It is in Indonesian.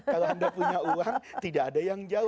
kalau anda punya uang tidak ada yang jauh